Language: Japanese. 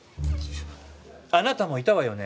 あなたもいたわよね？